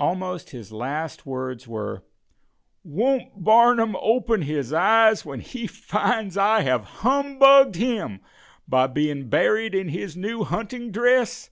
Almost his last words were: "Won't Barnum open his eyes when he finds I have humbugged him by being buried in his new hunting dress?"